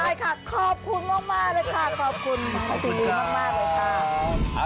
อยากได้ค่ะขอบคุณมากเลยค่ะขอบคุณจ้างพิกัลมากเลยค่ะ